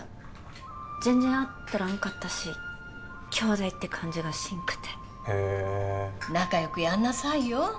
全然会っとらんかったし兄妹って感じがしんくてへ仲良くやんなさいよ